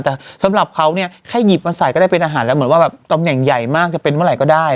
แต่สำหรับเขาเนี่ยแค่หยิบมาใส่ก็ได้เป็นอาหารแล้วเหมือนว่าแบบตำแหน่งใหญ่มากจะเป็นเมื่อไหร่ก็ได้